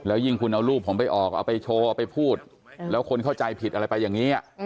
ยิ่งคุณเอารูปผมไปออกเอาไปโชว์เอาไปพูดแล้วคนเข้าใจผิดอะไรไปอย่างนี้